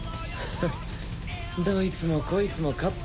フンッどいつもこいつも勝った